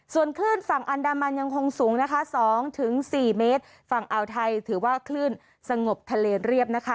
ส่วนคลื่นฝั่งอันดามันยังคงสูงนะคะ๒๔เมตรฝั่งอ่าวไทยถือว่าคลื่นสงบทะเลเรียบนะคะ